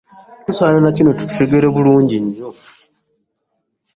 Tusaana na kino tukitegeere bulungi nnyo